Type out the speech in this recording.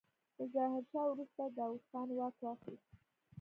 له ظاهرشاه وروسته داوود خان واک واخيست.